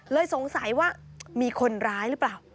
สงสัยว่ามีคนร้ายหรือเปล่า